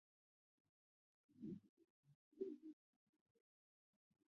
现在有文献可确认的地理学的发祥地是在古代希腊。